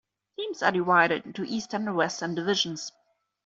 Teams are divided into Eastern and Western Divisions.